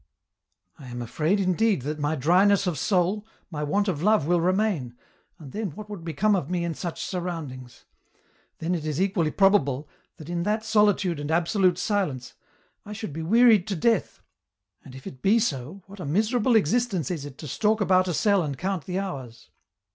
" I am afraid indeed that my dryness of soul, my want of love will remain, and then what would become of me in such surroundings ? then it is equally probable, that in that solitude and absolute silence, I should be wearied to death, and if it be so, what a miserable existence is it to stalk about a cell and count the hours.